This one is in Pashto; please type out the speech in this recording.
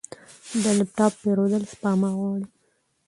د لپ ټاپ پیرودل سپما غواړي.